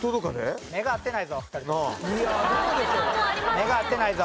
目が合ってないぞ。